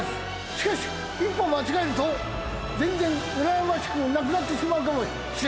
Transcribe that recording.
しかし一歩間違えると全然うらやましくなくなってしまうかもしれません。